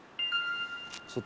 ちょっと。